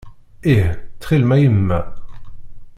Ih, ttxil-m a yemma.